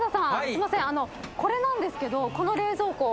すいませんこれなんですけどこの冷蔵庫。